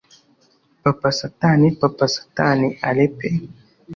Papa satani papa satani aleppe